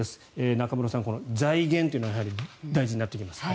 中室さん、財源というのは大事になってきますね。